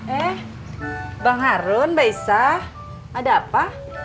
eh bang harun baesah ada apa